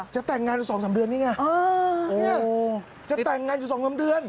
จะแต่งงานอยู่สองสามเดือนนี่ไงจะแต่งงานอยู่สองสามเดือน